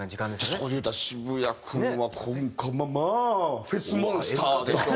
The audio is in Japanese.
そこでいうたら渋谷君はまあフェスモンスターでしょ。